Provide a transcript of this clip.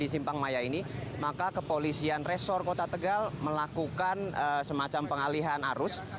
di simpang maya ini maka kepolisian resor kota tegal melakukan semacam pengalihan arus